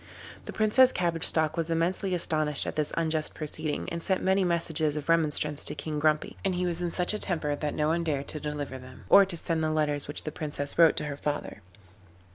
The Princess Cabbage Stalk was immensely astonished at this unjust proceeding, and sent many messages of remonstrance to King Grumpy, but he was in such a temper that no one dared to deliver them, or to send the letters which the Princess wrote to her father.